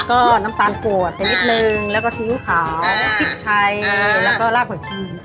ก็น้ำตาลปวดไปนิดนึงแล้วก็ชีวิตขาวชิบไทยแล้วก็รากหัวชีวิต